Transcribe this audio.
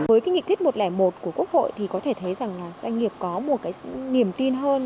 với nghị quyết một trăm linh một của quốc hội thì có thể thấy doanh nghiệp có một niềm tin hơn